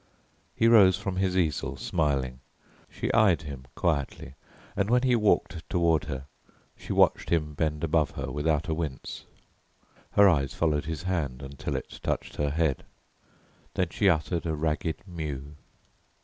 He rose from his easel smiling. She eyed him quietly, and when he walked toward her she watched him bend above her without a wince; her eyes followed his hand until it touched her head. Then she uttered a ragged mew.